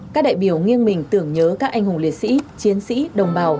các đại biểu nghiêng mình tưởng nhớ các anh hùng liệt sĩ chiến sĩ đồng bào